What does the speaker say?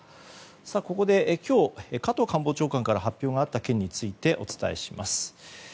ここで、今日、加藤官房長官から発表があった件についてお伝えします。